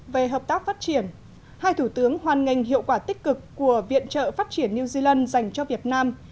về hợp tác phát triển hai thủ tướng hoan nghênh hiệu quả tích cực của viện trợ phát triển new zealand dành cho việt nam